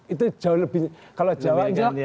itu jauh lebih kalau jawa kan